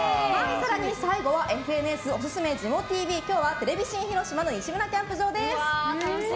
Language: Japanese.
更に最後はＦＮＳおすすめジモＴＶ今日はテレビ新広島の「西村キャンプ場」です。